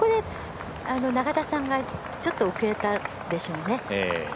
永田さんがちょっと遅れたでしょうね。